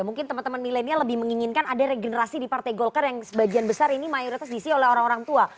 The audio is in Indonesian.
mungkin teman teman milenial lebih menginginkan ada regenerasi di partai golkar yang sebagian besar ini mayoritas diisi oleh orang orang tua